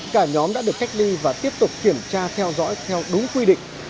cả nhóm đã được cách ly và tiếp tục kiểm tra theo dõi theo đúng quy định